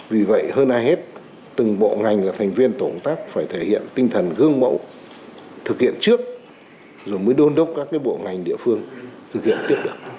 vì vậy hơn ai hết từng bộ ngành là thành viên tổ công tác phải thể hiện tinh thần gương mẫu thực hiện trước rồi mới đôn đốc các bộ ngành địa phương thực hiện tiếp được